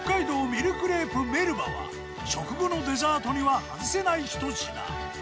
ミルクレープメルバは食後のデザートには外せないひと品。